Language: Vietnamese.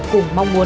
cùng mong muốn